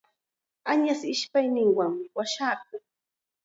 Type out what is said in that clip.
Añas ishpayninwanmi washakun.